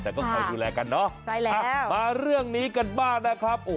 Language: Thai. แต่ก็ค่อยดูแลกันเนอะมาเรื่องนี้กันมากนะครับ